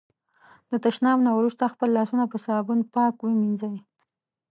د تشناب نه وروسته خپل لاسونه په صابون پاک ومېنځی.